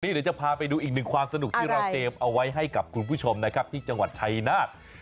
เดี๋ยวจะพาไปดูอีกหนึ่งความสนุกที่เราเตรียมเอาไว้ให้กับคุณผู้ชมนะครับที่จังหวัดชายนาฏ